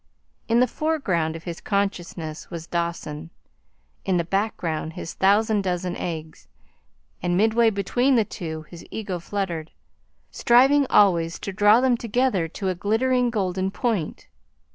In the foreground of his consciousness was Dawson, in the background his thousand dozen eggs, and midway between the two his ego fluttered, striving always to draw them together to a glittering golden point.